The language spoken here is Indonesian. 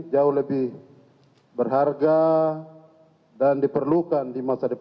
jauh lebih berharga dan diperlukan di masa depan